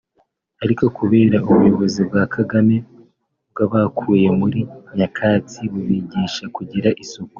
ariko kubera ubuyobozi bwa Kagame bwabakuye muri nyakatsi bubigisha kugira isuku